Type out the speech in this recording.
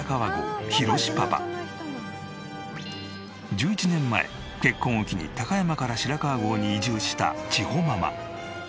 １１年前結婚を機に高山から白川郷に移住した千帆ママ。